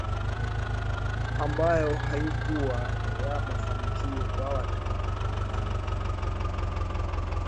ambayo haikuwa ya mafanikio kwa Watanganyika